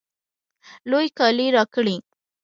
لوی کالی راکړئ